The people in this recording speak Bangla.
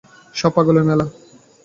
সব পাগলের মেলা।